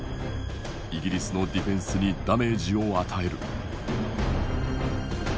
イギリスのディフェンスにダメージを与える。